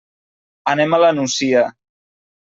Anem a la Nucia.